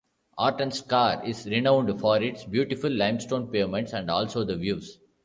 Orton Scar is renowned for its beautiful limestone pavements and also the views.